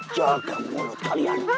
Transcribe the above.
jaga mulut kalian